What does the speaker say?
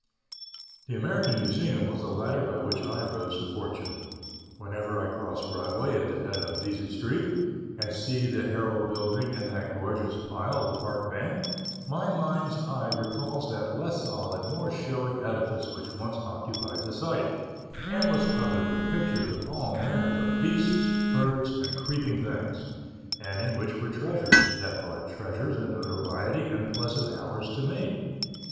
The American Museum was the ladder by which I rose to fortune. Whenever I cross Broadway at the head of Vesey Street, and see the Herald building and that gorgeous pile, the Park Bank, my mind's eye recalls that less solid, more showy edifice which once occupied the site and was covered with pictures of all manner of beasts, birds and creeping things, and in which were treasures that brought treasures and notoriety and pleasant hours to me.